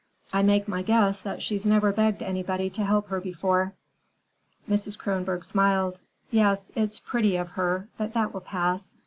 I make my guess that she's never begged anybody to help her before." Mrs. Kronborg smiled. "Yes, it's pretty of her. But that will pass.